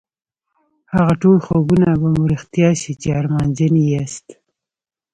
هغه ټول خوبونه به مو رښتيا شي چې ارمانجن يې ياست.